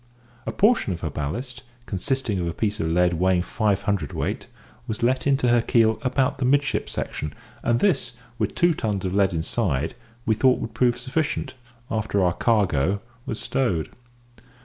A portion of her ballast, consisting of a piece of lead weighing five hundredweight, was let into her keel about the midship section, and this, with two tons of lead inside, we thought would prove sufficient, after our "cargo" was stowed.